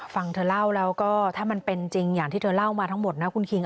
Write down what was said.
ฟังเธอเล่าแล้วก็ถ้ามันเป็นจริงอย่างที่เธอเล่ามาทั้งหมดนะคุณคิง